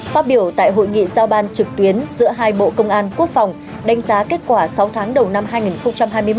phát biểu tại hội nghị giao ban trực tuyến giữa hai bộ công an quốc phòng đánh giá kết quả sáu tháng đầu năm hai nghìn hai mươi ba